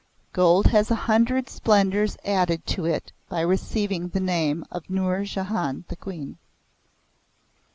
Gold has a hundred splendours added to it by receiving the name of Nour Jahan the Queen."